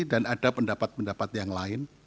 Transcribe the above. dan ada pendapat pendapat yang lain